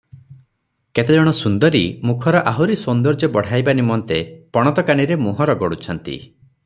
କେତେ ଜଣ ସୁନ୍ଦରୀ ମୁଖର ଆହୁରି ସୌନ୍ଦର୍ଯ୍ୟ ବଢ଼ାଇବା ନିମନ୍ତେ ପଣତକାନିରେ ମୁହଁ ରଗଡୁଛନ୍ତି ।